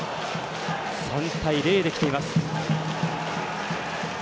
３対０できています。